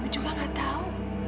kamu juga nggak tahu